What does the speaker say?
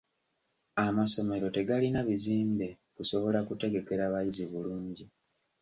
Amasomero tegalina bizimbe kusobola kutegekera bayizi bulungi.